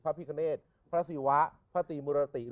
พระพิเคเนสพระศีวะพระศรีมูลติ